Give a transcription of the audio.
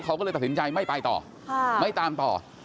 เขาก็เลยตัดสินใจไม่ไปต่อไม่ตามต่อ